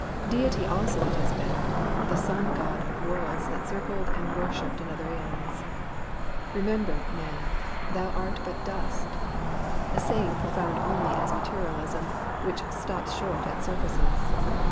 Deity also it has been, — the Sun God of worlds that circled and wor shiped in other seons. " Rememher^ Man, thou art hut dust /"— a saying profound only as materialism, which stops short at surfaces.